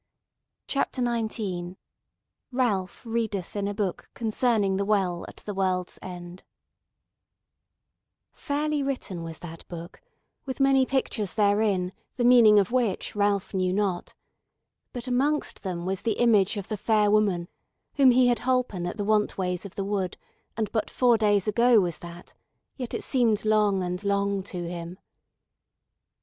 CHAPTER 19 Ralph Readeth in a Book Concerning the Well at the World's End Fairly written was that book, with many pictures therein, the meaning of which Ralph knew not; but amongst them was the image of the fair woman whom he had holpen at the want ways of the wood, and but four days ago was that, yet it seemed long and long to him.